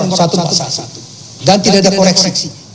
dan tidak ada koreksi